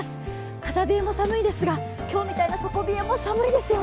風冷えも寒いですが、今日みたいな底冷えも寒いですよね。